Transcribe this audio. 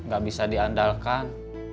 gak bisa diandalkan